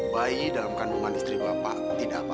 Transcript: bayi dalam kandungan istri bapak tidak apa apa